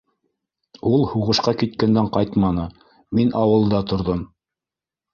- Ул һуғышҡа киткәндән ҡайтманы, мин ауылда торҙом.